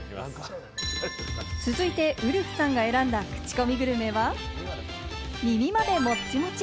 続いてウルフさんが選んだクチコミグルメは、耳までもっちもち